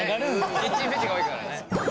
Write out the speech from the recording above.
キッチンフェチが多いからね。